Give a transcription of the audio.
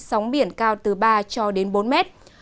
sóng biển cao từ ba cho đến bốn mét